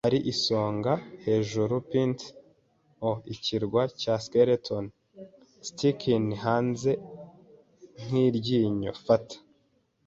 hari isonga-hejuru p'int o 'Ikirwa cya Skeleton, stickin' hanze nk'iryinyo. Fata a